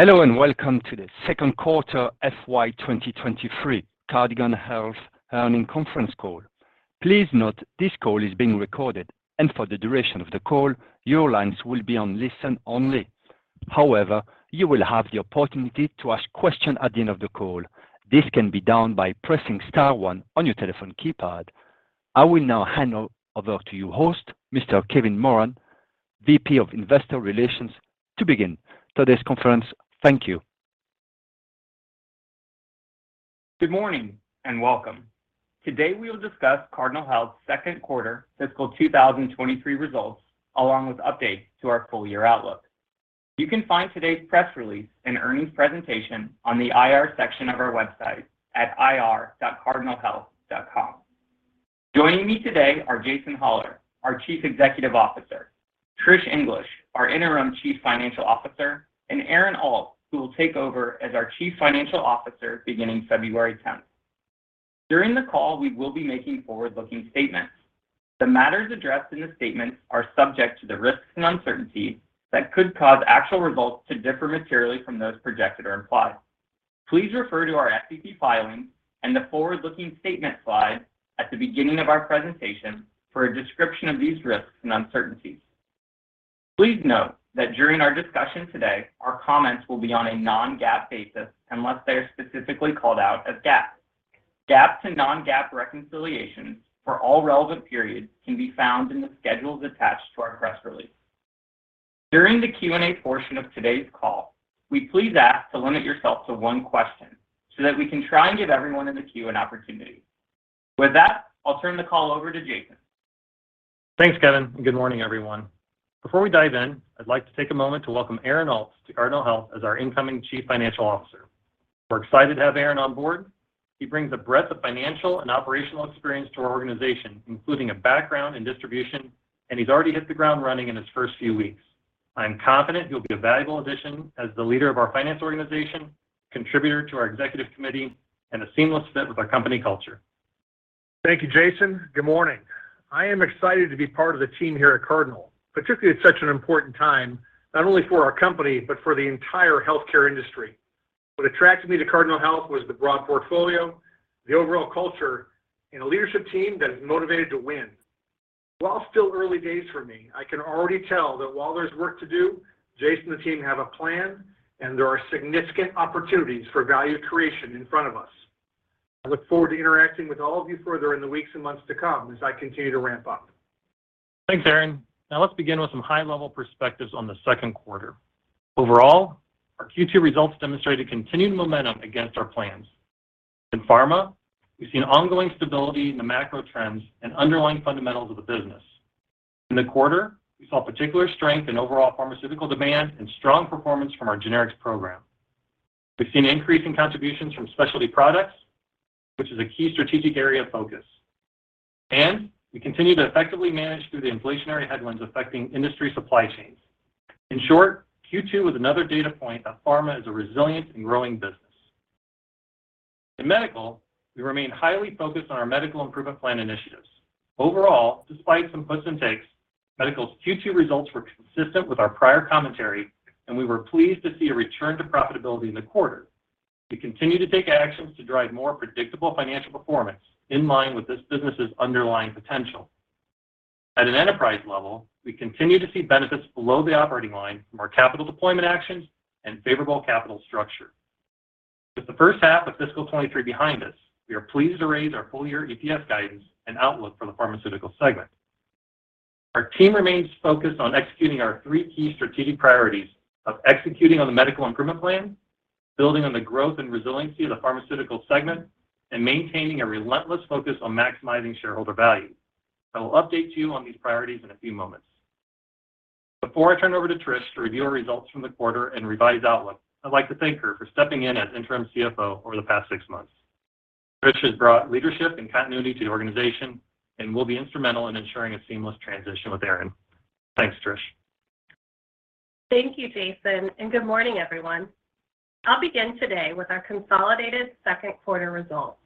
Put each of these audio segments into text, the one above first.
Hello, and welcome to the second quarter FY 2023 Cardinal Health Earnings Conference Call. Please note this call is being recorded, and for the duration of the call, your lines will be on listen only. However, you will have the opportunity to ask questions at the end of the call. This can be done by pressing star one on your telephone keypad. I will now hand over to your host, Mr. Kevin Moran, VP of Investor Relations, to begin today's conference. Thank you. Good morning, and welcome. Today, we will discuss Cardinal Health's second quarter fiscal 2023 results, along with updates to our full-year outlook. You can find today's press release and earnings presentation on the IR section of our website at ir.cardinalhealth.com. Joining me today are Jason Hollar, our Chief Executive Officer; Trish English, our Interim Chief Financial Officer; and Aaron Alt, who will take over as our Chief Financial Officer beginning February 10th. During the call, we will be making forward-looking statements. The matters addressed in the statements are subject to the risks and uncertainties that could cause actual results to differ materially from those projected or implied. Please refer to our SEC filings and the forward-looking statement slide at the beginning of our presentation for a description of these risks and uncertainties. Please note that during our discussion today, our comments will be on a non-GAAP basis unless they are specifically called out as GAAP. GAAP to non-GAAP reconciliations for all relevant periods can be found in the schedules attached to our press release. During the Q&A portion of today's call, we please ask to limit yourself to one question so that we can try and give everyone in the queue an opportunity. With that, I'll turn the call over to Jason. Thanks, Kevin. Good morning, everyone. Before we dive in, I'd like to take a moment to welcome Aaron Alt to Cardinal Health as our incoming Chief Financial Officer. We're excited to have Aaron on board. He brings a breadth of financial and operational experience to our organization, including a background in distribution, and he's already hit the ground running in his first few weeks. I'm confident he'll be a valuable addition as the leader of our finance organization, contributor to our executive committee, and a seamless fit with our company culture. Thank you, Jason. Good morning. I am excited to be part of the team here at Cardinal, particularly at such an important time, not only for our company, but for the entire healthcare industry. What attracted me to Cardinal Health was the broad portfolio, the overall culture, and a leadership team that is motivated to win. While it's still early days for me, I can already tell that while there's work to do, Jason and the team have a plan, and there are significant opportunities for value creation in front of us. I look forward to interacting with all of you further in the weeks and months to come as I continue to ramp up. Thanks, Aaron. Now let's begin with some high-level perspectives on the second quarter. Overall, our Q2 results demonstrated continued momentum against our plans. In pharma, we've seen ongoing stability in the macro trends and underlying fundamentals of the business. In the quarter, we saw particular strength in overall pharmaceutical demand and strong performance from our generics program. We've seen increasing contributions from specialty products, which is a key strategic area of focus. We continue to effectively manage through the inflationary headwinds affecting industry supply chains. In short, Q2 was another data point that pharma is a resilient and growing business. In medical, we remain highly focused on our medical improvement plan initiatives. Overall, despite some puts and takes, medical's Q2 results were consistent with our prior commentary, and we were pleased to see a return to profitability in the quarter. We continue to take actions to drive more predictable financial performance in line with this business's underlying potential. At an enterprise level, we continue to see benefits below the operating line from our capital deployment actions and favorable capital structure. With the first half of fiscal 23 behind us, we are pleased to raise our full-year EPS guidance and outlook for the pharmaceutical segment. Our team remains focused on executing our three key strategic priorities of executing on the medical improvement plan, building on the growth and resiliency of the pharmaceutical segment, and maintaining a relentless focus on maximizing shareholder value. I will update you on these priorities in a few moments. Before I turn over to Trish to review our results from the quarter and revised outlook, I'd like to thank her for stepping in as interim CFO over the past six months. Trish has brought leadership and continuity to the organization and will be instrumental in ensuring a seamless transition with Aaron. Thanks, Trish. Thank you, Jason. Good morning, everyone. I'll begin today with our consolidated second quarter results.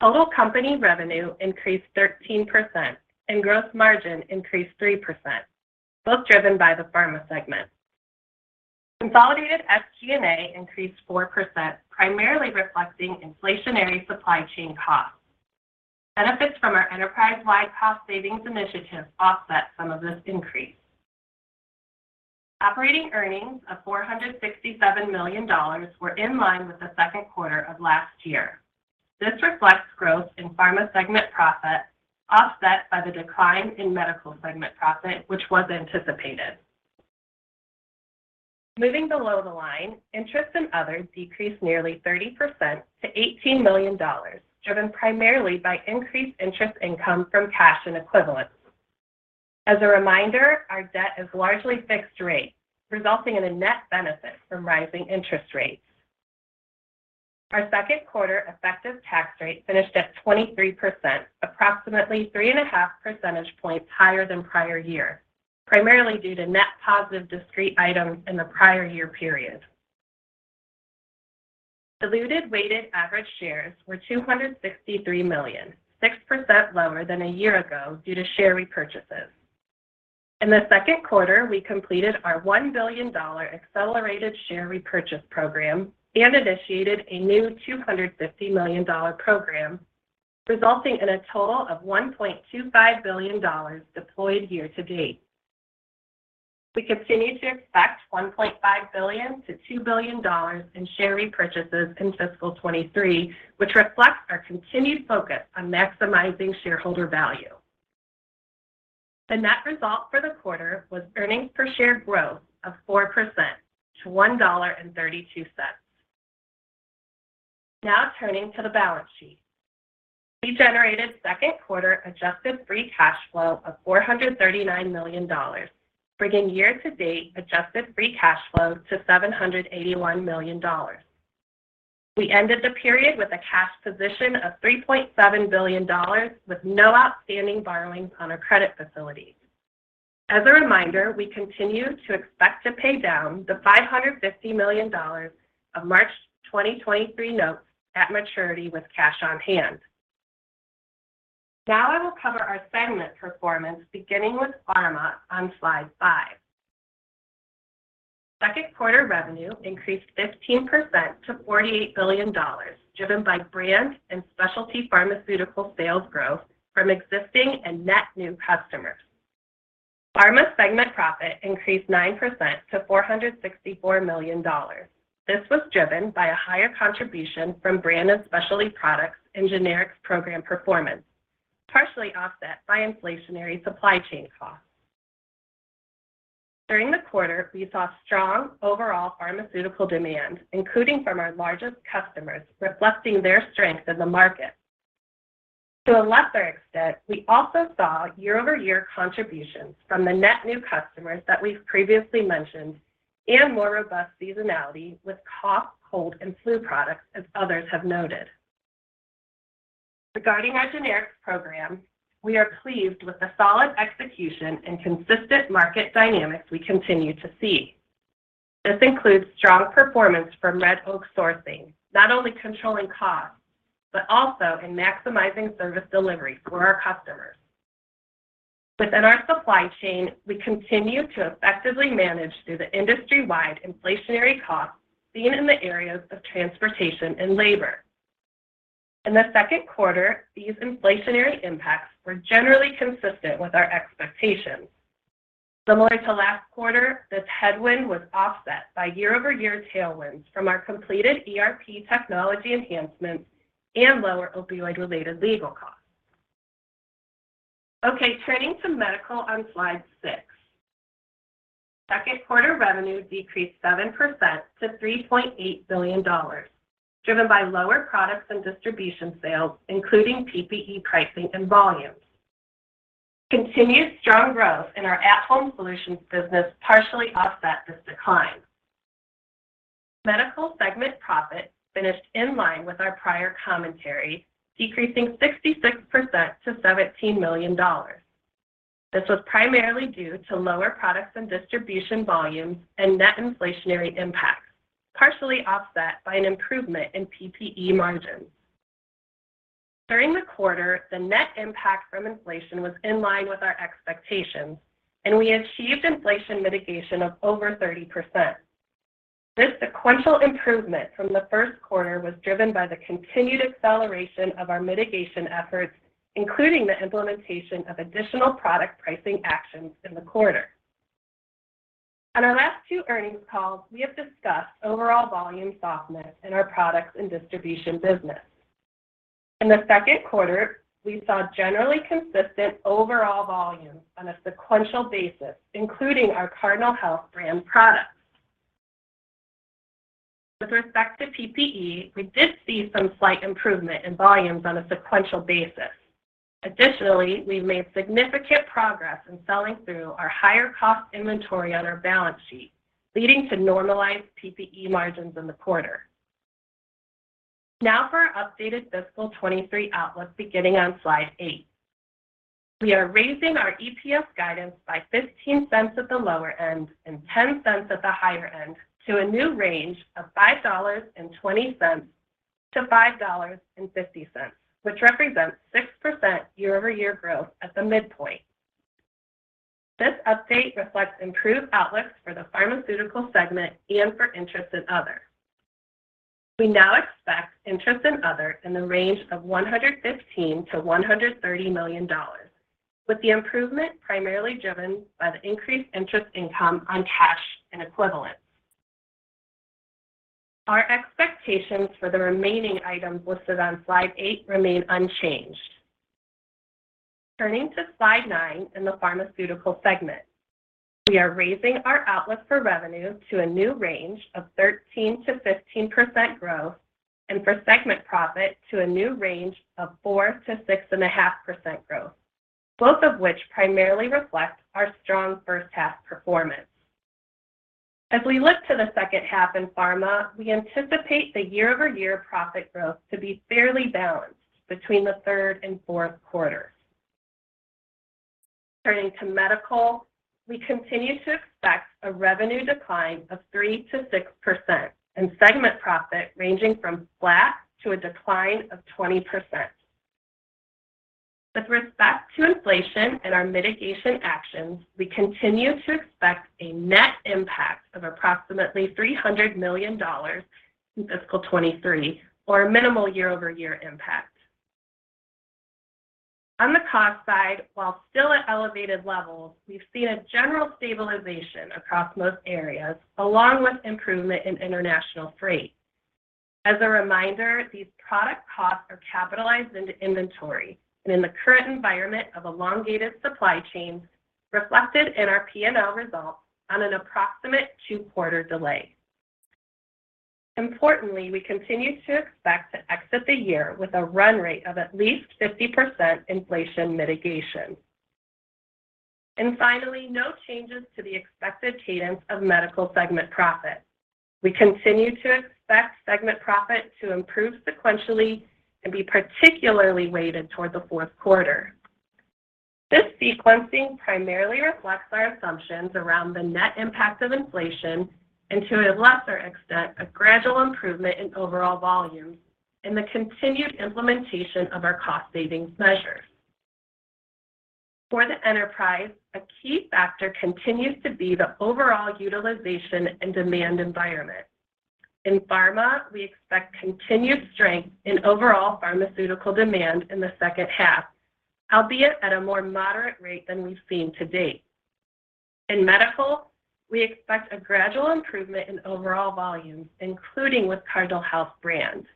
Total company revenue increased 13% and gross margin increased 3%, both driven by the pharma segment. Consolidated SG&A increased 4%, primarily reflecting inflationary supply chain costs. Benefits from our enterprise-wide cost savings initiative offset some of this increase. Operating earnings of $467 million were in line with the second quarter of last year. This reflects growth in pharma segment profit offset by the decline in medical segment profit, which was anticipated. Moving below the line, interest and others decreased nearly 30% to $18 million, driven primarily by increased interest income from cash and equivalents. As a reminder, our debt is largely fixed rate, resulting in a net benefit from rising interest rates. Our second quarter effective tax rate finished at 23%, approximately 3.5 percentage points higher than prior year, primarily due to net positive discrete items in the prior year period. Diluted weighted average shares were 263 million, 6% lower than a year ago due to share repurchases. In the second quarter, we completed our $1 billion Accelerated Share Repurchase program and initiated a new $250 million program, resulting in a total of $1.25 billion deployed year-to-date. We continue to expect $1.5 billion-$2 billion in share repurchases in fiscal 2023, which reflects our continued focus on maximizing shareholder value. The net result for the quarter was earnings per share growth of 4% to $1.32. Now turning to the balance sheet. We generated second quarter Adjusted Free Cash Flow of $439 million, bringing year-to-date Adjusted Free Cash Flow to $781 million. We ended the period with a cash position of $3.7 billion with no outstanding borrowings on our credit facilities. As a reminder, we continue to expect to pay down the $550 million of March 2023 notes at maturity with cash on hand. I will cover our segment performance, beginning with pharma on slide five. Second quarter revenue increased 15% to $48 billion, driven by brand and specialty pharmaceutical sales growth from existing and net new customers. Pharma segment profit increased 9% to $464 million. This was driven by a higher contribution from brand and specialty products and generics program performance, partially offset by inflationary supply chain costs. During the quarter, we saw strong overall pharmaceutical demand, including from our largest customers, reflecting their strength in the market. To a lesser extent, we also saw year-over-year contributions from the net new customers that we've previously mentioned and more robust seasonality with cough, cold, and flu products as others have noted. Regarding our generics program, we are pleased with the solid execution and consistent market dynamics we continue to see. This includes strong performance from Red Oak Sourcing, not only controlling costs, but also in maximizing service delivery for our customers. Within our supply chain, we continue to effectively manage through the industry-wide inflationary costs seen in the areas of transportation and labor. In the second quarter, these inflationary impacts were generally consistent with our expectations. Similar to last quarter, this headwind was offset by year-over-year tailwinds from our completed ERP technology enhancements and lower opioid-related legal costs. Turning to medical on slide six. Second quarter revenue decreased 7% to $3.8 billion, driven by lower products and distribution sales, including PPE pricing and volumes. Continued strong growth in our at-Home Solutions business partially offset this decline. Medical segment profit finished in line with our prior commentary, decreasing 66% to $17 million. This was primarily due to lower products and distribution volumes and net inflationary impacts, partially offset by an improvement in PPE margins. During the quarter, the net impact from inflation was in line with our expectations, and we achieved inflation mitigation of over 30%. This sequential improvement from the first quarter was driven by the continued acceleration of our mitigation efforts, including the implementation of additional product pricing actions in the quarter. On our last two earnings calls, we have discussed overall volume softness in our products and distribution business. In the second quarter, we saw generally consistent overall volumes on a sequential basis, including our Cardinal Health brand products. With respect to PPE, we did see some slight improvement in volumes on a sequential basis. Additionally, we've made significant progress in selling through our higher cost inventory on our balance sheet, leading to normalized PPE margins in the quarter. For our updated fiscal 23 outlook beginning on slide 8. We are raising our EPS guidance by $0.15 at the lower end and $0.10 at the higher end to a new range of $5.20-$5.50, which represents 6% year-over-year growth at the midpoint. This update reflects improved outlooks for the pharmaceutical segment and for interest and other. We now expect interest and other in the range of $115 million-$130 million, with the improvement primarily driven by the increased interest income on cash and equivalents. Our expectations for the remaining items listed on slide 8 remain unchanged. Turning to slide 9 in the pharmaceutical segment, we are raising our outlook for revenue to a new range of 13%-15% growth and for segment profit to a new range of 4%-6.5% growth, both of which primarily reflect our strong first half performance. As we look to the second half in pharma, we anticipate the year-over-year profit growth to be fairly balanced between the third and fourth quarters. Turning to medical, we continue to expect a revenue decline of 3%-6% and segment profit ranging from flat to a decline of 20%. With respect to inflation and our mitigation actions, we continue to expect a net impact of approximately $300 million in fiscal 2023 or minimal year-over-year impact. On the cost side, while still at elevated levels, we've seen a general stabilization across most areas, along with improvement in international freight. As a reminder, these product costs are capitalized into inventory and in the current environment of elongated supply chains reflected in our P&L results on an approximate two-quarter delay. Importantly, we continue to expect to exit the year with a run rate of at least 50% inflation mitigation. Finally, no changes to the expected cadence of medical segment profit. We continue to expect segment profit to improve sequentially and be particularly weighted toward the fourth quarter. This sequencing primarily reflects our assumptions around the net impact of inflation and to a lesser extent, a gradual improvement in overall volumes and the continued implementation of our cost savings measures. For the enterprise, a key factor continues to be the overall utilization and demand environment. In pharma, we expect continued strength in overall pharmaceutical demand in the second half, albeit at a more moderate rate than we've seen to date. In medical, we expect a gradual improvement in overall volumes, including with Cardinal Health brand.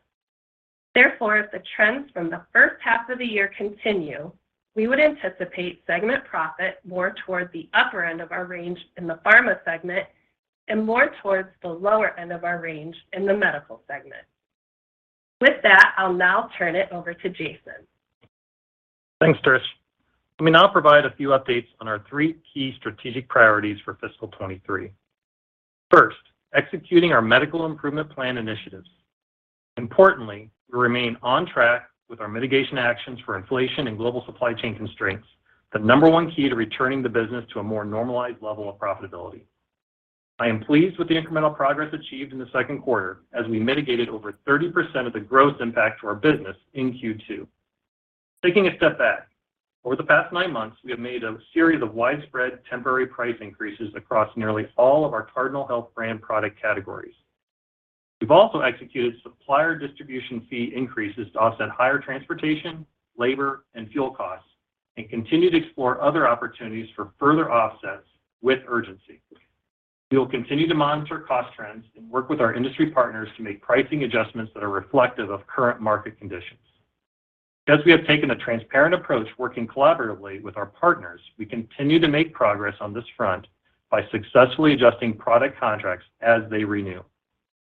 Therefore, if the trends from the first half of the year continue, we would anticipate segment profit more toward the upper end of our range in the pharma segment and more towards the lower end of our range in the medical segment. With that, I'll now turn it over to Jason Hollar. Thanks, Trish. Let me now provide a few updates on our three key strategic priorities for fiscal 2023. First, executing our medical improvement plan initiatives. Importantly, we remain on track with our mitigation actions for inflation and global supply chain constraints, the number one key to returning the business to a more normalized level of profitability. I am pleased with the incremental progress achieved in the second quarter as we mitigated over 30% of the growth impact to our business in Q2. Taking a step back, over the past nine months, we have made a series of widespread temporary price increases across nearly all of our Cardinal Health brand product categories. We've also executed supplier distribution fee increases to offset higher transportation, labor, and fuel costs, and continue to explore other opportunities for further offsets with urgency. We will continue to monitor cost trends and work with our industry partners to make pricing adjustments that are reflective of current market conditions. As we have taken a transparent approach working collaboratively with our partners, we continue to make progress on this front by successfully adjusting product contracts as they renew.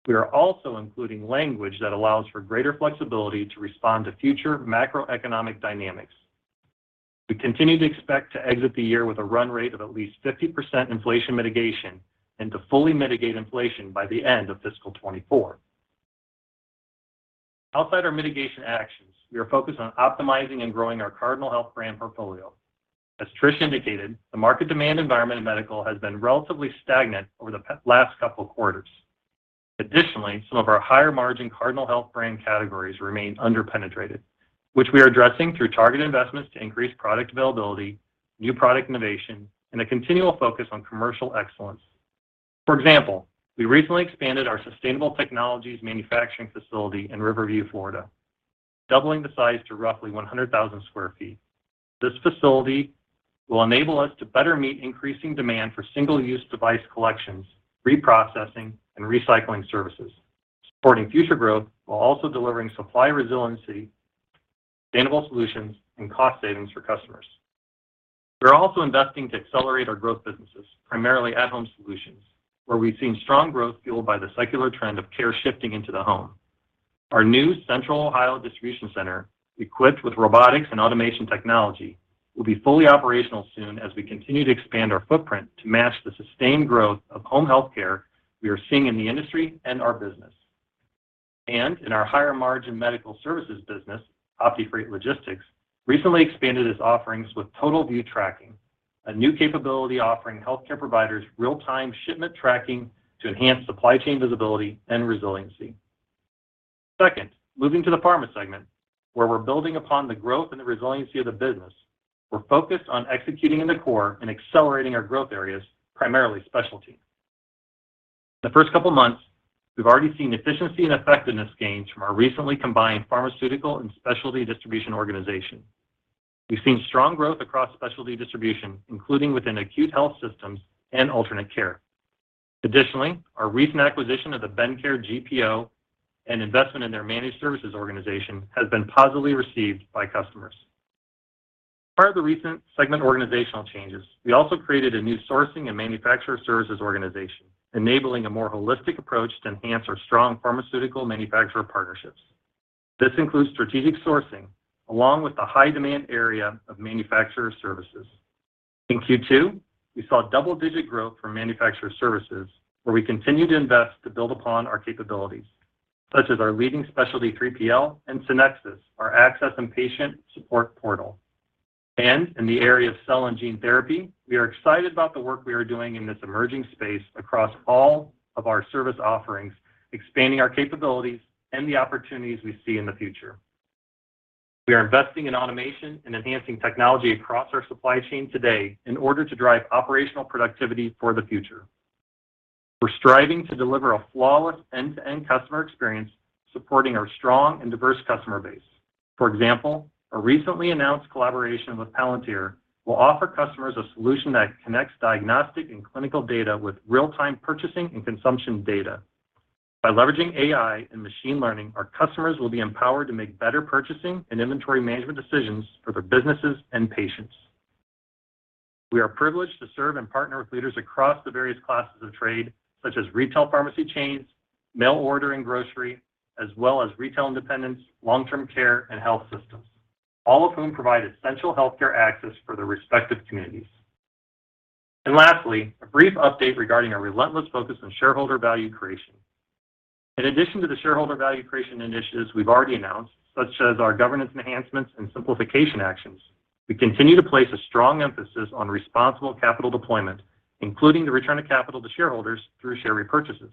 We are also including language that allows for greater flexibility to respond to future macroeconomic dynamics. We continue to expect to exit the year with a run rate of at least 50% inflation mitigation and to fully mitigate inflation by the end of fiscal 2024. Outside our mitigation actions, we are focused on optimizing and growing our Cardinal Health brand portfolio. As Trish indicated, the market demand environment in medical has been relatively stagnant over the last couple quarters. Additionally, some of our higher margin Cardinal Health brand categories remain under-penetrated, which we are addressing through targeted investments to increase product availability, new product innovation, and a continual focus on commercial excellence. For example, we recently expanded our sustainable technologies manufacturing facility in Riverview, Florida, doubling the size to roughly 100,000 sq ft. This facility will enable us to better meet increasing demand for single-use device collections, reprocessing, and recycling services, supporting future growth while also delivering supply resiliency, sustainable solutions, and cost savings for customers. We're also investing to accelerate our growth businesses, primarily at-Home Solutions, where we've seen strong growth fueled by the secular trend of care shifting into the home. Our new Central Ohio distribution center, equipped with robotics and automation technology, will be fully operational soon as we continue to expand our footprint to match the sustained growth of home health care we are seeing in the industry and our business. In our higher margin medical services business, OptiFreight Logistics recently expanded its offerings with TotalView Tracking, a new capability offering healthcare providers real-time shipment tracking to enhance supply chain visibility and resiliency. Second, moving to the pharma segment, where we're building upon the growth and the resiliency of the business. We're focused on executing in the core and accelerating our growth areas, primarily specialty. The first couple of months, we've already seen efficiency and effectiveness gains from our recently combined pharmaceutical and specialty distribution organization. We've seen strong growth across specialty distribution, including within acute health systems and alternate care. Additionally, our recent acquisition of the Bendcare GPO and investment in their managed services organization has been positively received by customers. As part of the recent segment organizational changes, we also created a new sourcing and manufacturer services organization, enabling a more holistic approach to enhance our strong pharmaceutical manufacturer partnerships. This includes strategic sourcing, along with the high demand area of manufacturer services. In Q2, we saw double-digit growth for manufacturer services, where we continue to invest to build upon our capabilities. Such as our leading specialty 3PL and ConnectiveRx, our access and patient support portal. In the area of Cell and Gene Therapy, we are excited about the work we are doing in this emerging space across all of our service offerings, expanding our capabilities and the opportunities we see in the future. We are investing in automation and enhancing technology across our supply chain today in order to drive operational productivity for the future. We're striving to deliver a flawless end-to-end customer experience supporting our strong and diverse customer base. For example, a recently announced collaboration with Palantir will offer customers a solution that connects diagnostic and clinical data with real-time purchasing and consumption data. By leveraging AI and machine learning, our customers will be empowered to make better purchasing and inventory management decisions for their businesses and patients. We are privileged to serve and partner with leaders across the various classes of trade, such as retail pharmacy chains, mail order, and grocery, as well as retail independents, long-term care, and health systems, all of whom provide essential healthcare access for their respective communities. Lastly, a brief update regarding our relentless focus on shareholder value creation. In addition to the shareholder value creation initiatives we've already announced, such as our governance enhancements and simplification actions, we continue to place a strong emphasis on responsible capital deployment, including the return of capital to shareholders through share repurchases.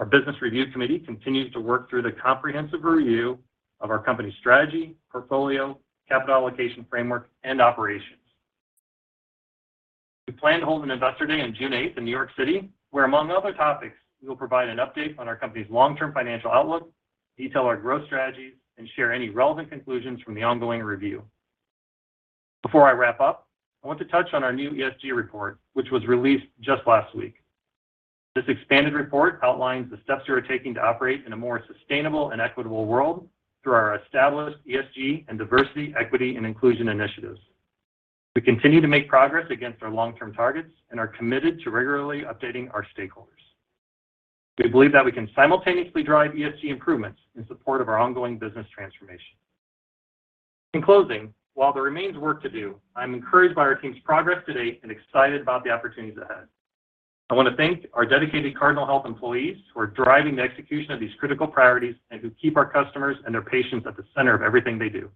Our Business Review Committee continues to work through the comprehensive review of our company's strategy, portfolio, capital allocation framework, and operations. We plan to hold an Investor Day on June eighth in New York City, where among other topics, we will provide an update on our company's long-term financial outlook, detail our growth strategies, and share any relevant conclusions from the ongoing review. Before I wrap up, I want to touch on our new ESG report, which was released just last week. This expanded report outlines the steps we are taking to operate in a more sustainable and equitable world through our established ESG and diversity, equity, and inclusion initiatives. We continue to make progress against our long-term targets and are committed to regularly updating our stakeholders. We believe that we can simultaneously drive ESG improvements in support of our ongoing business transformation. In closing, while there remains work to do, I'm encouraged by our team's progress to date and excited about the opportunities ahead. I want to thank our dedicated Cardinal Health employees who are driving the execution of these critical priorities and who keep our customers and their patients at the center of everything they do.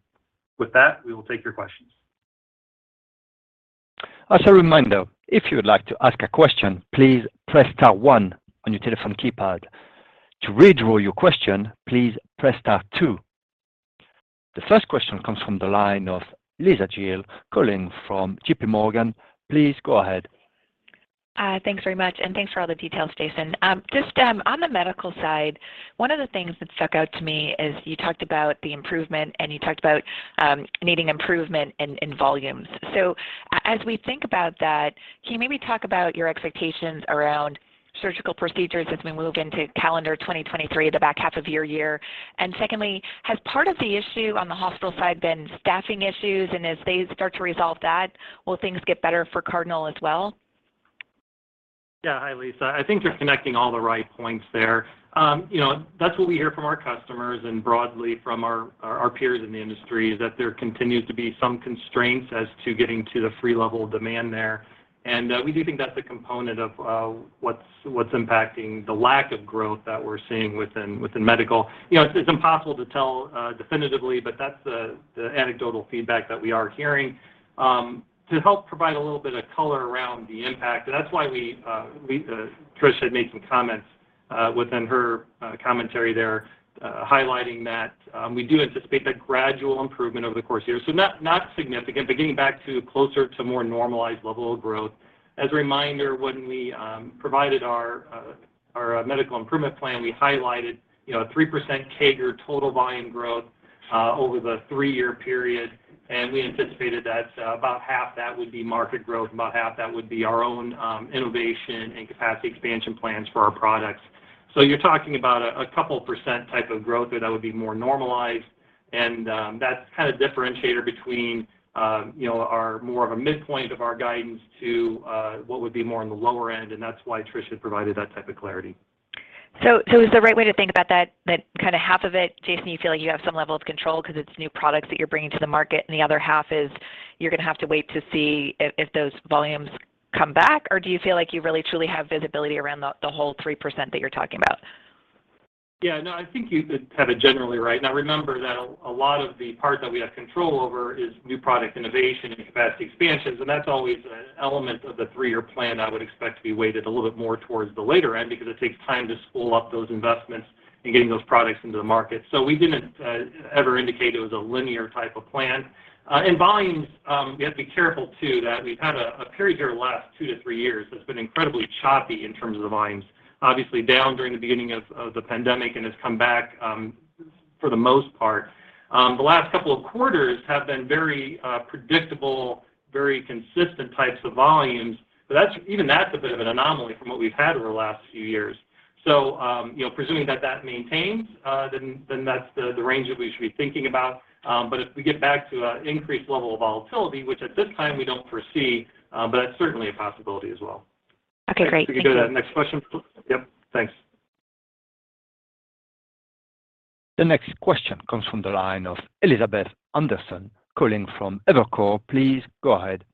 With that, we will take your questions. As a reminder, if you would like to ask a question, please press star one on your telephone keypad. To withdraw your question, please press star two. The first question comes from the line of Lisa Gill calling from JPMorgan. Please go ahead. Thanks very much, and thanks for all the details, Jason. Just, on the medical side, one of the things that stuck out to me is you talked about the improvement and you talked about, needing improvement in volumes. As we think about that, can you maybe talk about your expectations around surgical procedures as we move into calendar 2023, the back half of your year? Secondly, has part of the issue on the hospital side been staffing issues, and as they start to resolve that, will things get better for Cardinal as well? Yeah. Hi, Lisa. I think you're connecting all the right points there. You know, that's what we hear from our customers and broadly from our peers in the industry is that there continues to be some constraints as to getting to the free level of demand there. We do think that's a component of what's impacting the lack of growth that we're seeing within medical. You know, it's impossible to tell definitively, but that's the anecdotal feedback that we are hearing. To help provide a little bit of color around the impact, and that's why we, Trish had made some comments within her commentary there, highlighting that we do anticipate a gradual improvement over the course of the year. Not significant, but getting back to closer to more normalized level of growth. As a reminder, when we provided our medical improvement plan, we highlighted, you know, 3% CAGR total volume growth over the three-year period. We anticipated that about half that would be market growth, and about half that would be our own innovation and capacity expansion plans for our products. You're talking about a couple percent type of growth that would be more normalized, and that's kinda differentiator between, you know, our more of a midpoint of our guidance to what would be more on the lower end, and that's why Trish had provided that type of clarity. Is the right way to think about that kinda half of it, Jason, you feel like you have some level of control 'cause it's new products that you're bringing to the market, and the other half is you're gonna have to wait to see if those volumes come back? Or do you feel like you really truly have visibility around the whole 3% that you're talking about? Yeah. No, I think you have it generally right. Remember that a lot of the part that we have control over is new product innovation and capacity expansions, and that's always an element of the three-year plan I would expect to be weighted a little bit more towards the later end because it takes time to spool up those investments and getting those products into the market. We didn't ever indicate it was a linear type of plan. In volumes, we have to be careful too that we've had a period here the last two-three years that's been incredibly choppy in terms of the volumes. Obviously down during the beginning of the pandemic and has come back for the most part. The last couple of quarters have been very predictable, very consistent types of volumes, but that's, even that's a bit of an anomaly from what we've had over the last few years. You know, presuming that that maintains, then that's the range that we should be thinking about. If we get back to an increased level of volatility, which at this time we don't foresee, but that's certainly a possibility as well. Okay, great. Thank you. Can we go to the next question, please? Yep. Thanks. The next question comes from the line of Elizabeth Anderson calling from Evercore. Please go ahead.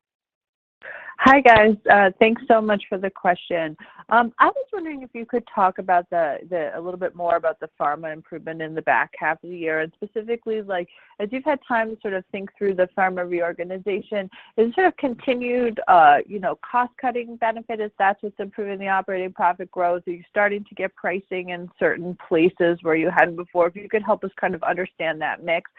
Hi, guys. Thanks so much for the question. I was wondering if you could talk about a little bit more about the pharma improvement in the back half of the year and specifically like as you've had time to sort of think through the pharma reorganization and sort of continued, you know, cost-cutting benefit, if that's what's improving the operating profit growth. Are you starting to get pricing in certain places where you hadn't before? If you could help us kind of understand that mix.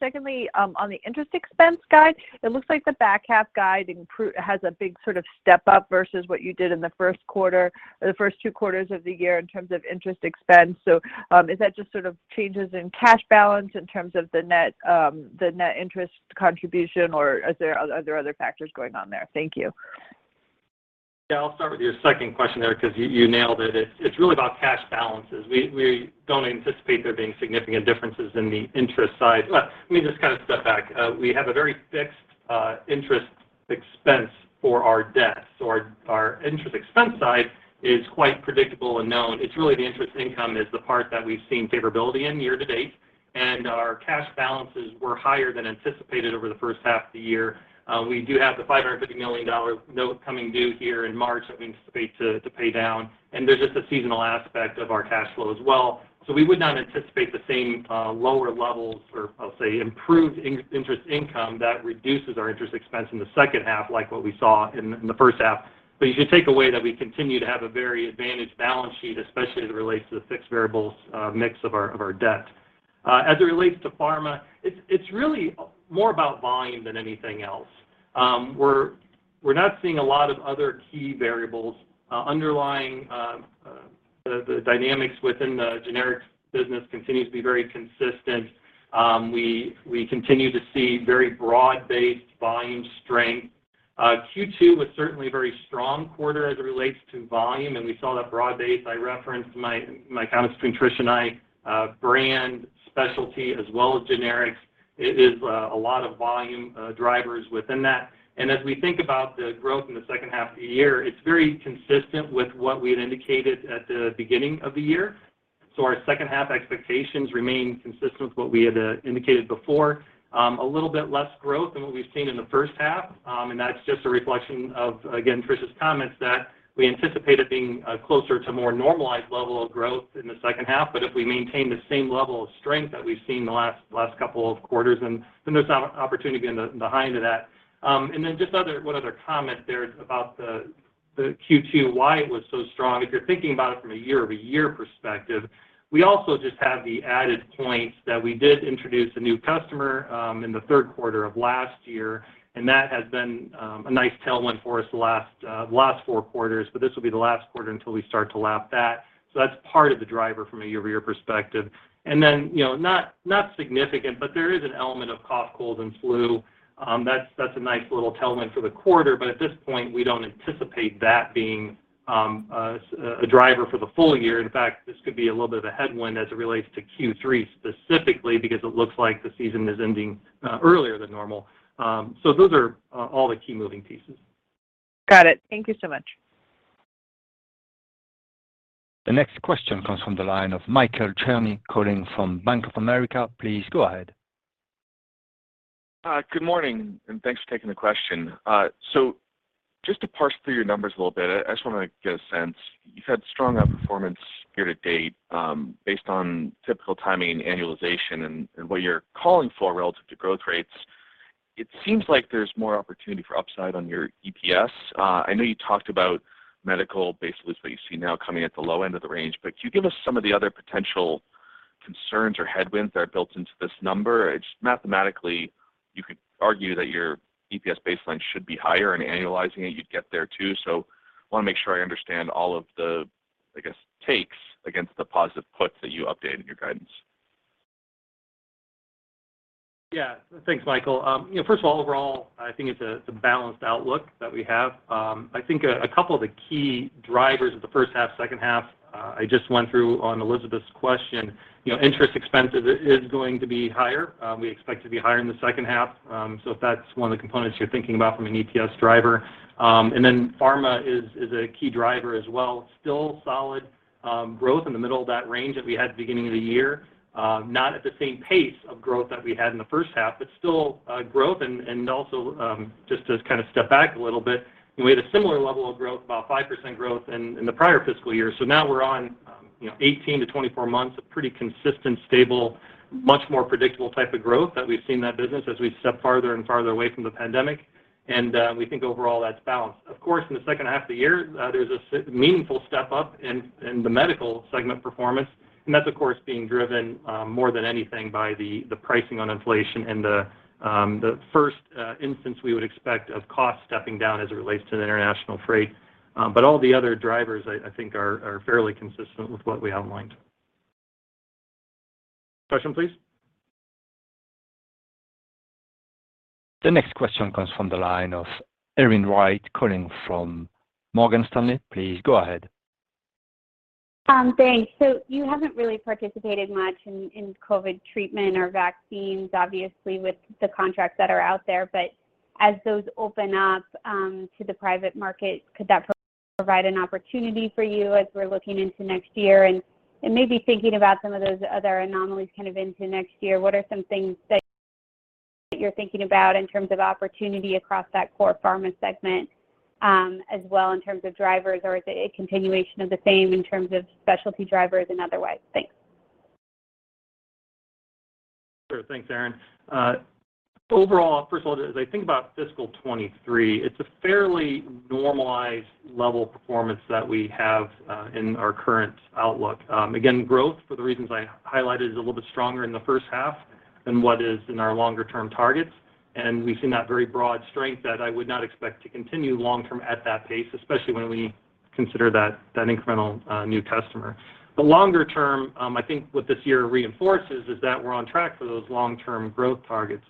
Secondly, on the interest expense guide, it looks like the back half guide has a big sort of step-up versus what you did in the first quarter or the first two quarters of the year in terms of interest expense. Is that just sort of changes in cash balance in terms of the net, the net interest contribution, or are there other factors going on there? Thank you. Yeah, I'll start with your second question there 'cause you nailed it. It's really about cash balances. We don't anticipate there being significant differences in the interest side. Let me just kind of step back. We have a very fixed interest expense for our debt. Our interest expense side is quite predictable and known. It's really the interest income is the part that we've seen favorability in year-to-date, and our cash balances were higher than anticipated over the first half of the year. We do have the $550 million note coming due here in March that we anticipate to pay down, and there's just a seasonal aspect of our cash flow as well. We would not anticipate the same lower levels or I'll say improved in-interest income that reduces our interest expense in the second half, like what we saw in the first half. You should take away that we continue to have a very advantaged balance sheet, especially as it relates to the fixed variables mix of our debt. As it relates to pharma, it's really more about volume than anything else. We're not seeing a lot of other key variables. Underlying, the dynamics within the generics business continues to be very consistent. We continue to see very broad-based volume strength. Q2 was certainly a very strong quarter as it relates to volume, and we saw that broad base. I referenced my comments between Tricia and I, brand specialty as well as generics. It is a lot of volume drivers within that. As we think about the growth in the second half of the year, it's very consistent with what we had indicated at the beginning of the year. Our second half expectations remain consistent with what we had indicated before. A little bit less growth than what we've seen in the first half. That's just a reflection of, again, Tricia's comments that we anticipate it being closer to more normalized level of growth in the second half. If we maintain the same level of strength that we've seen the last couple of quarters and then there's an opportunity behind to that. Then just 1 other comment there about the Q2, why it was so strong. If you're thinking about it from a year-over-year perspective, we also just have the added points that we did introduce a new customer in the third quarter of last year, and that has been a nice tailwind for us the last four quarters. This will be the last quarter until we start to lap that. That's part of the driver from a year-over-year perspective. Then, you know, not significant, but there is an element of cough, cold, and flu. That's a nice little tailwind for the quarter, but at this point, we don't anticipate that being a driver for the full year. In fact, this could be a little bit of a headwind as it relates to Q3 specifically because it looks like the season is ending, earlier than normal. Those are, all the key moving pieces. Got it. Thank you so much. The next question comes from the line of Michael Cherny calling from Bank of America. Please go ahead. Good morning. Thanks for taking the question. Just to parse through your numbers a little bit, I just wanna get a sense. You've had strong outperformance year to date, based on typical timing, annualization and what you're calling for relative to growth rates. It seems like there's more opportunity for upside on your EPS. I know you talked about medical base is what you see now coming at the low end of the range, but can you give us some of the other potential concerns or headwinds that are built into this number? It's mathematically, you could argue that your EPS baseline should be higher, and annualizing it, you'd get there, too. Wanna make sure I understand all of the, I guess, takes against the positive puts that you updated in your guidance. Yeah. Thanks, Michael. you know, first of all, overall, I think it's a balanced outlook that we have. I think a couple of the key drivers of the first half, second half, I just went through on Elizabeth's question. You know, interest expenses is going to be higher, we expect to be higher in the second half. If that's one of the components you're thinking about from an EPS driver. Pharma is a key driver as well. Still solid, growth in the middle of that range that we had at the beginning of the year. Not at the same pace of growth that we had in the first half, but still, growth and also, just to kind of step back a little bit, we had a similar level of growth, about 5% growth in the prior fiscal year. Now we're on, you know, 18 to 24 months of pretty consistent, stable, much more predictable type of growth that we've seen in that business as we step farther and farther away from the pandemic. We think overall that's balanced. In the second half of the year, there's a meaningful step-up in the medical segment performance, and that's of course being driven more than anything by the pricing on inflation and the first instance we would expect of cost stepping down as it relates to the international freight. All the other drivers I think are fairly consistent with what we outlined. Next question, please. The next question comes from the line of Erin Wright calling from Morgan Stanley. Please go ahead. Thanks. You haven't really participated much in COVID treatment or vaccines, obviously, with the contracts that are out there. As those open up to the private market, could that provide? Provide an opportunity for you as we're looking into next year and maybe thinking about some of those other anomalies kind of into next year. What are some things that you're thinking about in terms of opportunity across that core pharma segment as well in terms of drivers? Is it a continuation of the same in terms of specialty drivers and otherwise? Thanks. Sure. Thanks, Erin. Overall, first of all, as I think about fiscal 23, it's a fairly normalized level of performance that we have in our current outlook. Again, growth, for the reasons I highlighted, is a little bit stronger in the first half than what is in our longer-term targets. We've seen that very broad strength that I would not expect to continue long-term at that pace, especially when we consider that incremental new customer. The longer term, I think what this year reinforces is that we're on track for those long-term growth targets.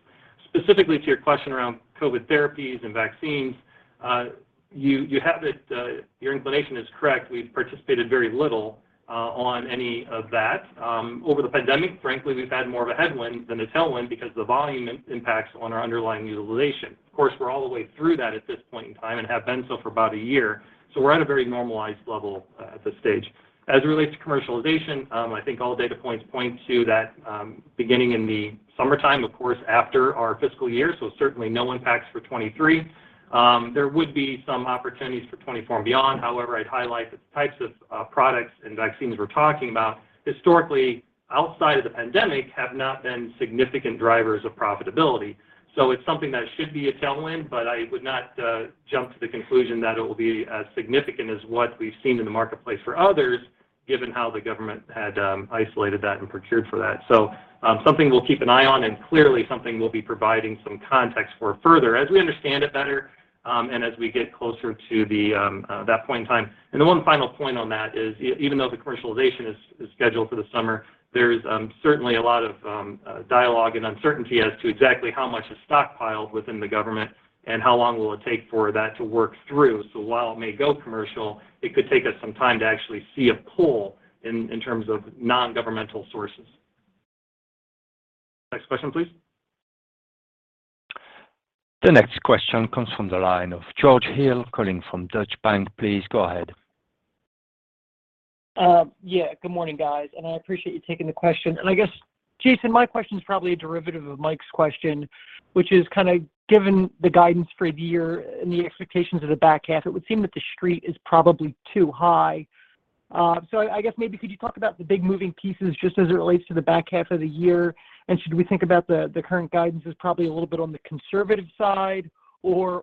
Specifically, to your question around COVID therapies and vaccines, you have it, your inclination is correct. We've participated very little on any of that. Over the pandemic, frankly, we've had more of a headwind than a tailwind because the volume impacts on our underlying utilization. Of course, we're all the way through that at this point in time and have been so for about a year. We're at a very normalized level at this stage. As it relates to commercialization, I think all data points point to that, beginning in the summertime, of course, after our fiscal year. Certainly no impacts for 23. There would be some opportunities for 24 and beyond. However, I'd highlight the types of products and vaccines we're talking about historically outside of the pandemic have not been significant drivers of profitability. It's something that should be a tailwind, but I would not jump to the conclusion that it will be as significant as what we've seen in the marketplace for others, given how the government had isolated that and procured for that. Something we'll keep an eye on and clearly something we'll be providing some context for further as we understand it better, and as we get closer to that point in time. The one final point on that is even though the commercialization is scheduled for the summer, there's certainly a lot of dialogue and uncertainty as to exactly how much is stockpiled within the government and how long will it take for that to work through. While it may go commercial, it could take us some time to actually see a pull in terms of non-governmental sources. Next question, please. The next question comes from the line of George Hill calling from Deutsche Bank. Please go ahead. Yeah, good morning, guys, I appreciate you taking the question. I guess, Jason, my question is probably a derivative of Mike's question, which is kind of given the guidance for the year and the expectations of the back half, it would seem that the Street is probably too high. I guess maybe could you talk about the big moving pieces just as it relates to the back half of the year? Should we think about the current guidance as probably a little bit on the conservative side or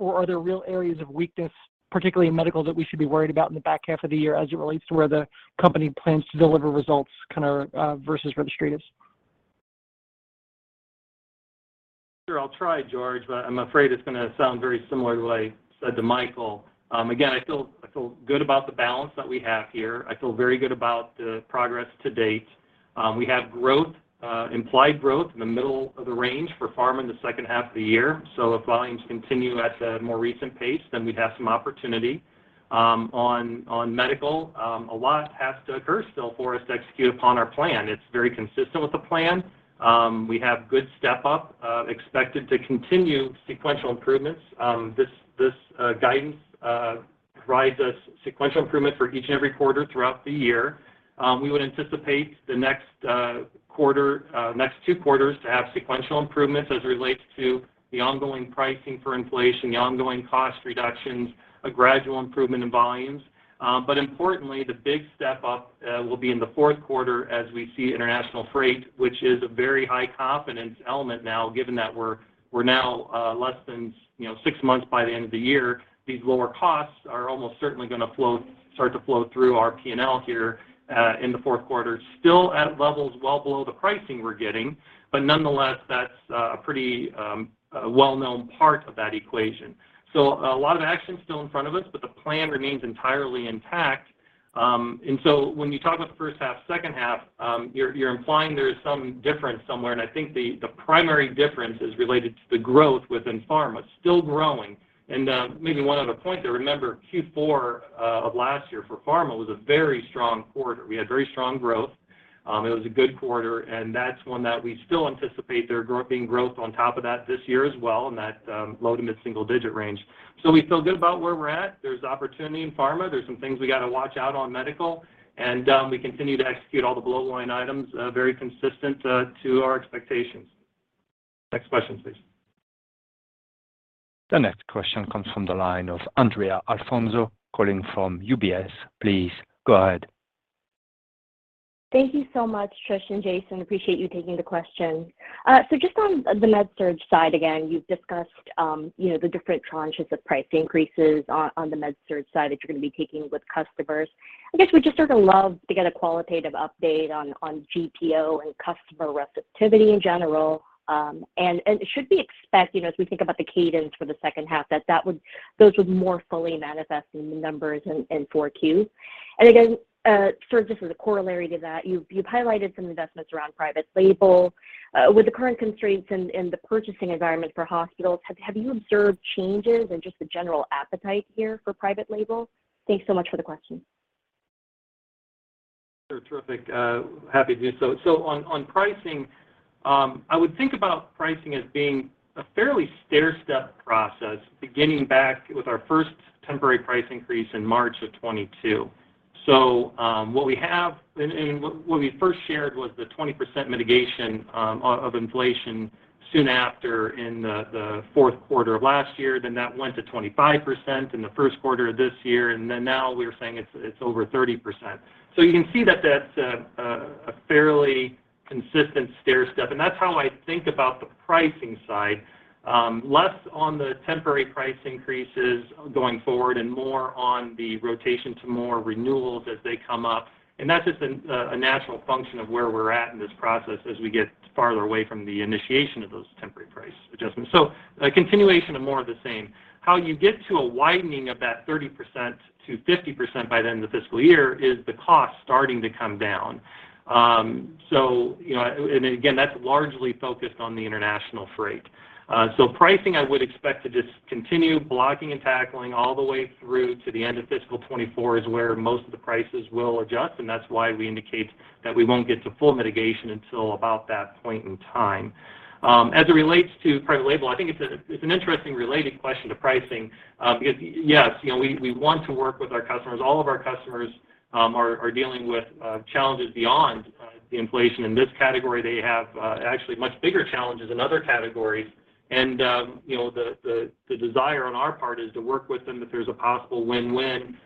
are there real areas of weakness, particularly in medical, that we should be worried about in the back half of the year as it relates to where the company plans to deliver results kind of versus where the Street is? Sure. I'll try, George, but I'm afraid it's gonna sound very similar to what I said to Michael. Again, I feel good about the balance that we have here. I feel very good about the progress to date. We have growth, implied growth in the middle of the range for pharma in the second half of the year. If volumes continue at the more recent pace, then we'd have some opportunity. On medical, a lot has to occur still for us to execute upon our plan. It's very consistent with the plan. We have good step-up, expected to continue sequential improvements. This guidance provides us sequential improvement for each and every quarter throughout the year. We would anticipate the next quarter, next two quarters to have sequential improvements as it relates to the ongoing pricing for inflation, the ongoing cost reductions, a gradual improvement in volumes. Importantly, the big step up will be in the fourth quarter as we see international freight, which is a very high confidence element now, given that we're now less than, you know, six months by the end of the year. These lower costs are almost certainly gonna flow, start to flow through our P&L here in the fourth quarter. Still at levels well below the pricing we're getting, but nonetheless, that's a pretty well-known part of that equation. A lot of action still in front of us, but the plan remains entirely intact. When you talk about the first half, second half, you're implying there is some difference somewhere. I think the primary difference is related to the growth within pharma. It's still growing. Maybe one other point there. Remember, Q4 of last year for pharma was a very strong quarter. We had very strong growth. It was a good quarter, and that's one that we still anticipate being growth on top of that this year as well in that low- to mid-single digit range. We feel good about where we're at. There's opportunity in pharma. There's some things we gotta watch out on medical. We continue to execute all the below-the-line items very consistent to our expectations. Next question, please. The next question comes from the line of Andrea Alfonso calling from UBS. Please go ahead. Thank you so much, Trish and Jason. Appreciate you taking the question. Just on the Med-Surg side, again, you've discussed, you know, the different tranches of price increases on the Med-Surg side that you're gonna be taking with customers. I guess we'd just sort of love to get a qualitative update on GPO and customer receptivity in general. Should we expect, you know, as we think about the cadence for the second half, those would more fully manifest in the numbers in 4Q? Again, sort of just as a corollary to that, you've highlighted some investments around private label. With the current constraints in the purchasing environment for hospitals, have you observed changes in just the general appetite here for private label? Thanks so much for the question. They're terrific, happy to do so. On pricing, I would think about pricing as being a fairly stairstep process, beginning back with our first temporary price increase in March of 2022. What we have and what we first shared was the 20% mitigation of inflation soon after in the fourth quarter of last year. That went to 25% in the first quarter of this year. Now we're saying it's over 30%. You can see that that's a fairly consistent stairstep, and that's how I think about the pricing side. Less on the temporary price increases going forward and more on the rotation to more renewals as they come up. That's just a natural function of where we're at in this process as we get farther away from the initiation of those temporary price adjustments. A continuation of more of the same. How you get to a widening of that 30%-50% by the end of the fiscal year is the cost starting to come down. You know, and again, that's largely focused on the international freight. Pricing, I would expect to just continue blocking and tackling all the way through to the end of fiscal 2024 is where most of the prices will adjust, and that's why we indicate that we won't get to full mitigation until about that point in time. As it relates to private label, I think it's a, it's an interesting related question to pricing, because, yes, you know, we want to work with our customers. All of our customers, are dealing with, challenges beyond the inflation in this category. They have, actually much bigger challenges in other categories. You know, the, the desire on our part is to work with them if there's a possible win-win,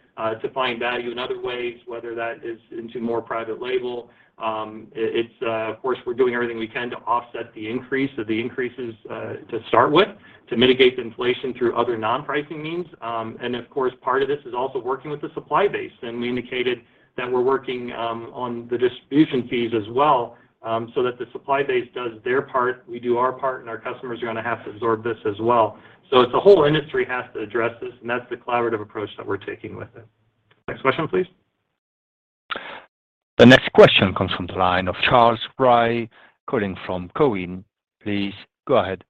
to find value in other ways, whether that is into more private label. It's, of course, we're doing everything we can to offset the increase or the increases, to start with, to mitigate the inflation through other non-pricing means. Of course, part of this is also working with the supply base. We indicated that we're working, on the distribution fees as well, so that the supply base does their part, we do our part, and our costumers are gonna have to absorb this as well. It's the whole industry has to address this, and that's the collaborative approach that we're taking with it. Next question, please. The next question comes from the line of Charles Rhyee calling from TD Cowen. Please go ahead.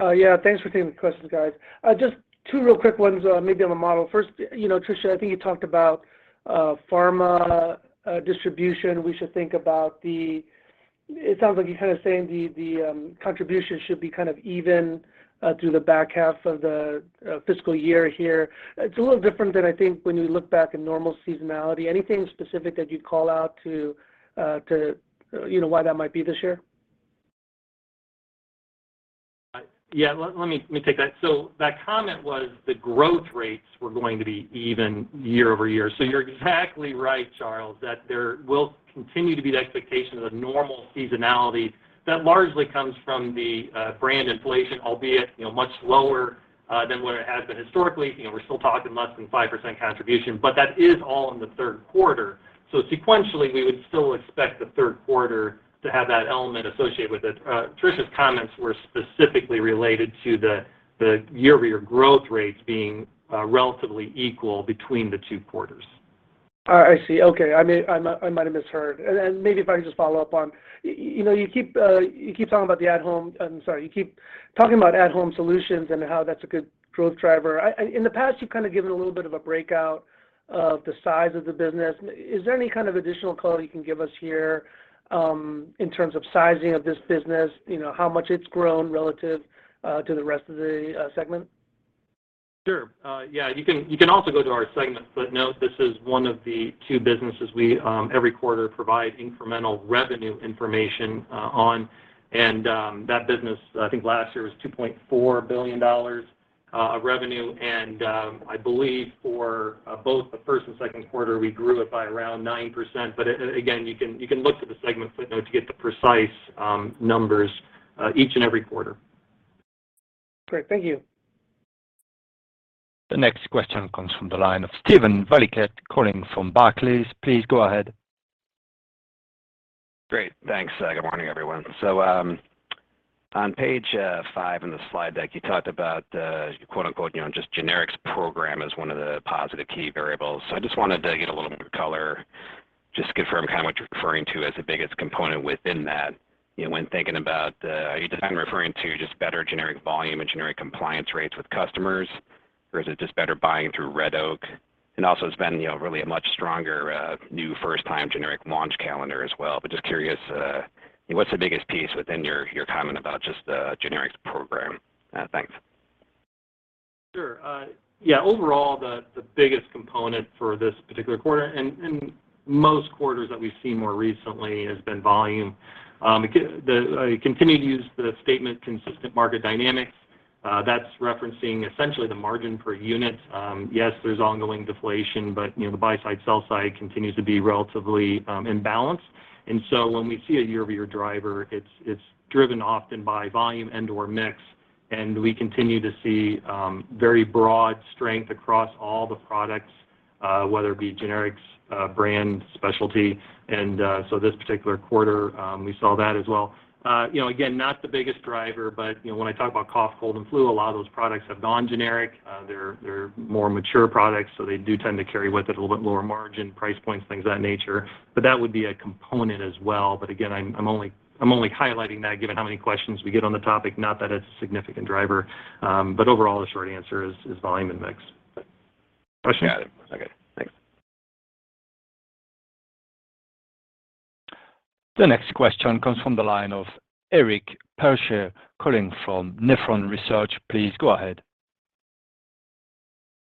Yeah, thanks for taking the questions, guys. Just two real quick ones, maybe on the model. First, you know, Tricia, I think you talked about pharma distribution. We should think about it sounds like you're kind of saying the contribution should be kind of even through the back half of the fiscal year here. It's a little different than I think when you look back in normal seasonality. Anything specific that you'd call out to, you know, why that might be this year? Yeah, let me take that. That comment was the growth rates were going to be even year-over-year. You're exactly right, Charles, that there will continue to be the expectation of the normal seasonality that largely comes from the brand inflation, albeit, you know, much lower than what it has been historically. You know, we're still talking less than 5% contribution, but that is all in the third quarter. Sequentially, we would still expect the third quarter to have that element associated with it. Trish's comments were specifically related to the year-over-year growth rates being relatively equal between the two quarters. I see. Okay. I might have misheard. Maybe if I can just follow up on, you know, you keep talking about at-Home Solutions and how that's a good growth driver. In the past, you've kind of given a little bit of a breakout of the size of the business. Is there any kind of additional color you can give us here in terms of sizing of this business? You know, how much it's grown relative to the rest of the segment? Sure. Yeah. You can also go to our segment footnote. This is one of the two businesses we, every quarter provide incremental revenue information on. That business, I think last year was $2.4 billion of revenue. I believe for both the first and second quarter, we grew it by around 9%. Again, you can look to the segment footnote to get the precise numbers each and every quarter. Great. Thank you. The next question comes from the line of Steven Valiquette calling from Barclays. Please go ahead. Great. Thanks. Good morning, everyone. On page five in the slide deck, you talked about, quote-unquote, you know, just generics program as one of the positive key variables. I just wanted to get a little more color, just to confirm kind of what you're referring to as the biggest component within that. You know, when thinking about, are you just kind of referring to just better generic volume and generic compliance rates with customers, or is it just better buying through Red Oak? Also it's been, you know, really a much stronger, new first time generic launch calendar as well. Just curious, what's the biggest piece within your comment about just the generics program? Thanks. Sure. Yeah. Overall, the biggest component for this particular quarter and most quarters that we've seen more recently has been volume. I continue to use the statement consistent market dynamics. That's referencing essentially the margin per unit. Yes, there's ongoing deflation, but you know, the buy side, sell side continues to be relatively in balance. When we see a year-over-year driver, it's driven often by volume and, or mix, and we continue to see very broad strength across all the products, whether it be generics, brand, specialty. This particular quarter, we saw that as well. You know, again, not the biggest driver, but you know, when I talk about cough, cold, and flu, a lot of those products have non-generic. They're more mature products, so they do tend to carry with it a little bit lower margin, price points, things of that nature. That would be a component as well. Again, I'm only highlighting that given how many questions we get on the topic, not that it's a significant driver. Overall, the short answer is volume and mix. Question? Got it. Okay. The next question comes from the line of Eric Percher calling from Nephron Research. Please go ahead.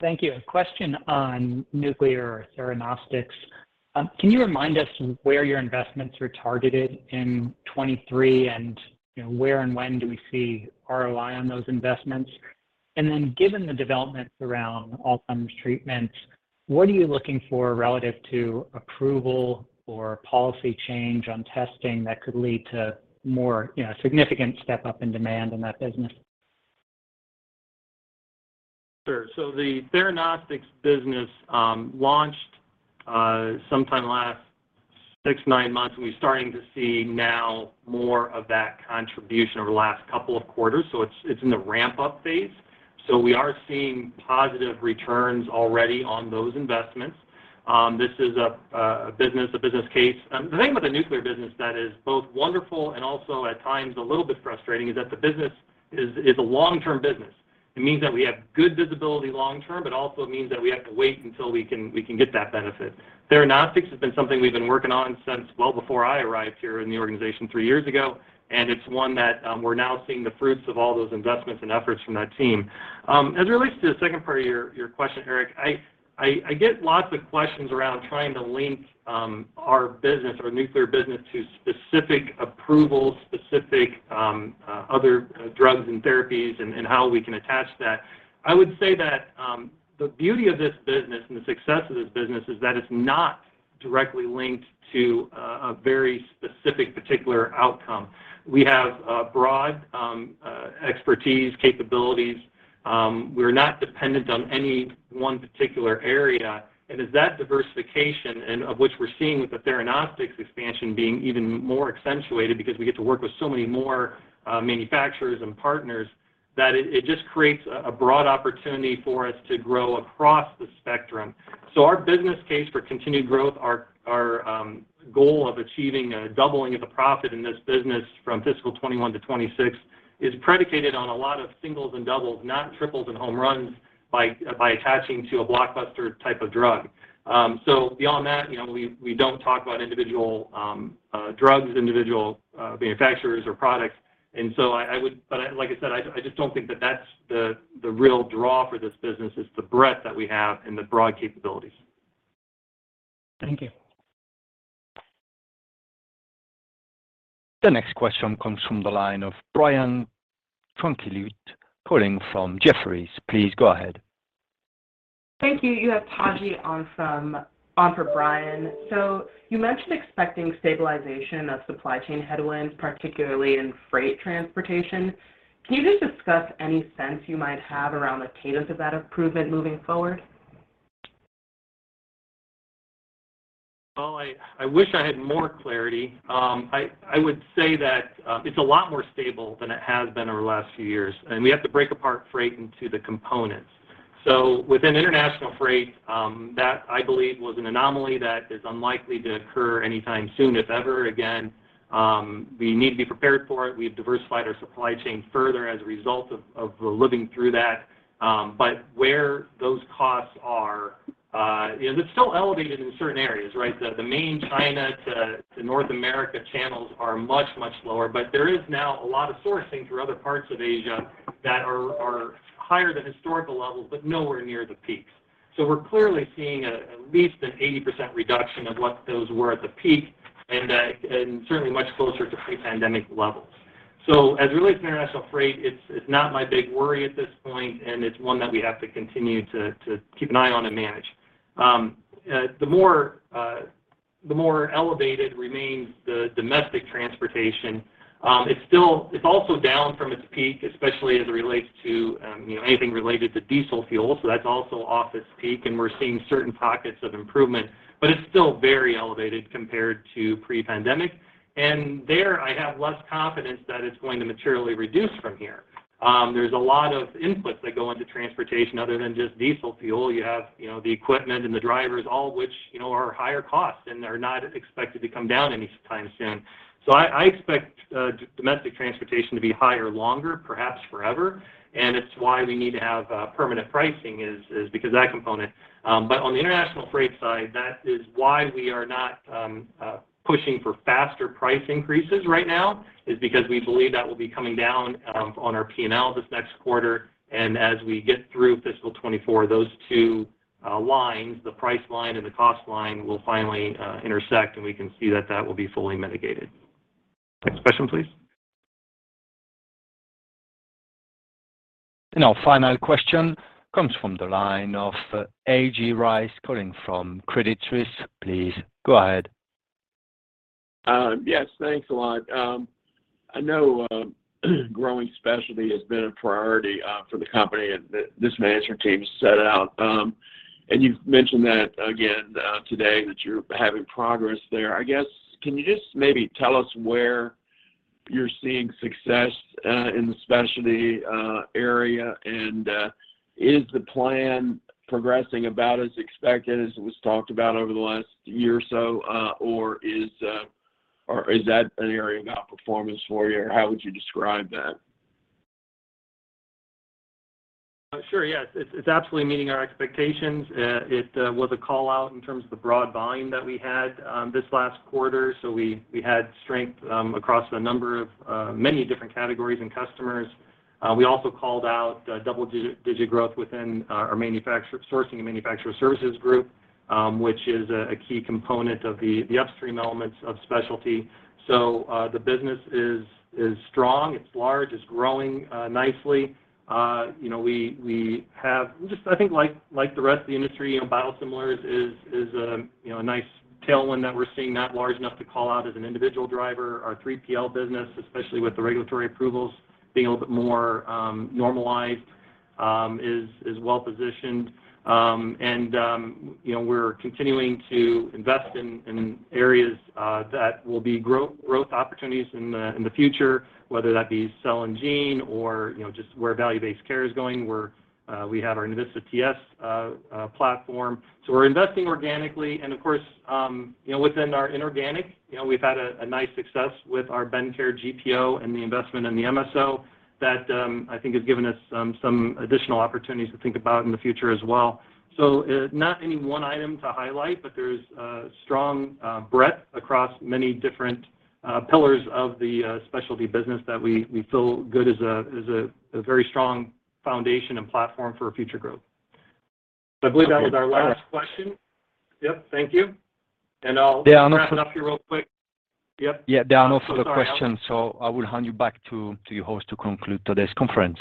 Thank you. A question on nuclear theranostics. Can you remind us where your investments are targeted in 23 and, you know, where and when do we see ROI on those investments? Given the developments around Alzheimer's treatments, what are you looking for relative to approval or policy change on testing that could lead to more, you know, significant step up in demand in that business? Sure. The theranostics business launched sometime last six, nine months, and we're starting to see now more of that contribution over the last couple of quarters. It's in the ramp-up phase. We are seeing positive returns already on those investments. This is a business case. The thing about the nuclear business that is both wonderful and also at times a little bit frustrating is that the business is a long-term business. It means that we have good visibility long term, but also means that we have to wait until we can get that benefit. Theranostics has been something we've been working on since well before I arrived here in the organization three years ago, and it's one that we're now seeing the fruits of all those investments and efforts from that team. As it relates to the second part of your question, Eric, I, I get lots of questions around trying to link our business, our nuclear business to specific approvals, specific other drugs and therapies and how we can attach that. I would say that the beauty of this business and the success of this business is that it's not directly linked to a very specific particular outcome. We have broad expertise, capabilities. We're not dependent on any one particular area. It's that diversification and of which we're seeing with the theranostics expansion being even more accentuated because we get to work with so many more manufacturers and partners that it just creates a broad opportunity for us to grow across the spectrum. Our business case for continued growth, our goal of achieving a doubling of the profit in this business from fiscal 2021 to 2026 is predicated on a lot of singles and doubles, not triples and home runs by attaching to a blockbuster type of drug. Beyond that, you know, we don't talk about individual drugs, individual manufacturers or products. I would-- But like I said, I just don't think that that's the real draw for this business is the breadth that we have and the broad capabilities. Thank you. The next question comes from the line of Brian Tanquilut calling from Jefferies. Please go ahead. Thank you. You have Taji on for Brian. You mentioned expecting stabilization of supply chain headwinds, particularly in freight transportation. Can you just discuss any sense you might have around the cadence of that improvement moving forward? Well, I wish I had more clarity. I would say that it's a lot more stable than it has been over the last few years. We have to break apart freight into the components. Within international freight, that I believe was an anomaly that is unlikely to occur anytime soon, if ever again. We need to be prepared for it. We've diversified our supply chain further as a result of living through that. Where those costs are, you know, it's still elevated in certain areas, right? The, the main China to North America channels are much, much lower. There is now a lot of sourcing through other parts of Asia that are higher than historical levels, but nowhere near the peaks. We're clearly seeing at least an 80% reduction of what those were at the peak and certainly much closer to pre-pandemic levels. As it relates to international freight, it's not my big worry at this point, and it's one that we have to continue to keep an eye on and manage. The more elevated remains the domestic transportation. It's also down from its peak, especially as it relates to, you know, anything related to diesel fuel. That's also off its peak, and we're seeing certain pockets of improvement, but it's still very elevated compared to pre-pandemic. There I have less confidence that it's going to materially reduce from here. There's a lot of inputs that go into transportation other than just diesel fuel. You have, you know, the equipment and the drivers, all which, you know, are higher cost, and they're not expected to come down anytime soon. I expect domestic transportation to be higher longer, perhaps forever. It's why we need to have permanent pricing is because of that component. On the international freight side, that is why we are not pushing for faster price increases right now, is because we believe that will be coming down on our P&L this next quarter. As we get through fiscal 2024, those two lines, the price line and the cost line, will finally intersect, and we can see that that will be fully mitigated. Next question, please. Our final question comes from the line of A.J. Rice calling from Credit Suisse. Please go ahead. Yes, thanks a lot. I know, growing specialty has been a priority for the company and this management team set out, and you've mentioned that again, today that you're having progress there. I guess, can you just maybe tell us where you're seeing success in the specialty area, and is the plan progressing about as expected as it was talked about over the last year or so, or is that an area of outperformance for you, or how would you describe that? Sure, yes. It's absolutely meeting our expectations. It was a call-out in terms of the broad volume that we had this last quarter. We had strength across a number of many different categories and customers. We also called out double-digit growth within our manufacturer sourcing and manufacturer services group, which is a key component of the upstream elements of specialty. The business is strong, it's large, it's growing nicely. You know, we have Just I think like the rest of the industry, you know, Biosimilars is a nice tailwind that we're seeing, not large enough to call out as an individual driver. Our 3PL business, especially with the regulatory approvals being a little bit more normalized, is well positioned. You know, we're continuing to invest in areas that will be growth opportunities in the future, whether that be Cell and Gene or, you know, just where value-based care is going, where we have our Navista TS platform. We're investing organically and of course, you know, within our inorganic, you know, we've had a nice success with our Bendcare GPO and the investment in the MSO that I think has given us some additional opportunities to think about in the future as well. Not any one item to highlight, but there's a strong breadth across many different pillars of the specialty business that we feel good is a very strong foundation and platform for future growth. I believe that was our last question. Yep. Thank you. There are no- wrap it up here real quick. Yep. Yeah, there are no further questions, I will hand you back to your host to conclude today's conference.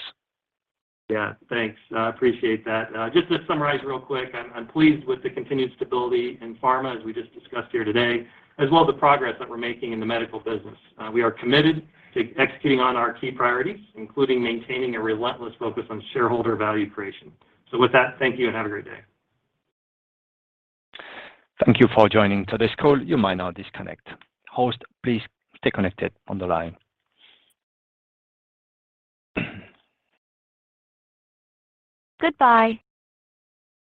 Yeah, thanks. I appreciate that. Just to summarize real quick, I'm pleased with the continued stability in pharma as we just discussed here today, as well as the progress that we're making in the medical business. We are committed to executing on our key priorities, including maintaining a relentless focus on shareholder value creation. With that, thank you and have a great day. Thank you for joining today's call. You may now disconnect. Host, please stay connected on the line. Goodbye.